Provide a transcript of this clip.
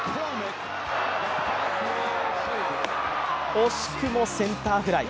惜しくもセンターフライ。